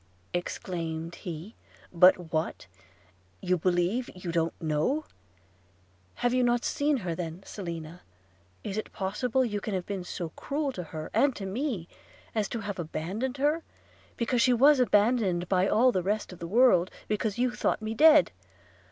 exclaimed he – 'but what? – You believe – you don't know? Have you not seen her then, Selina? Is it possible you can have been so cruel to her, and to me, as to have abandoned her, because she was abandoned by all the rest of the world, because you thought me dead